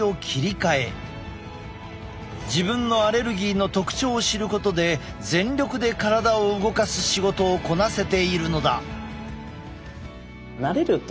自分のアレルギーの特徴を知ることで全力で体を動かす仕事をこなせているのだ。